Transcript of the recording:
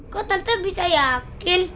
kok tante bisa yakin